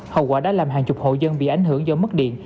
hậu quả đã làm hàng chục hộ dân bị ảnh hưởng do mất điện